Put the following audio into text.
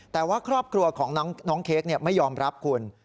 แต่ว่าครอบครัวของน้องเค้กไม่ยอมรับคุณ